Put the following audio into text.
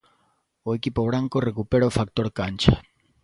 O equipo branco recupera o factor cancha.